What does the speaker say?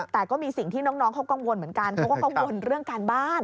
แต่ก็มีสิ่งที่น้องเขากังวลเหมือนกันเขาก็กังวลเรื่องการบ้าน